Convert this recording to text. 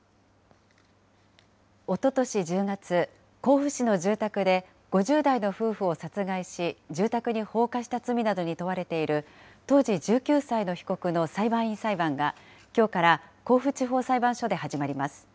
おととし１０月、甲府市の住宅で５０代の夫婦を殺害し、住宅に放火した罪などに問われている当時１９歳の被告の裁判員裁判が、きょうから甲府地方裁判所で始まります。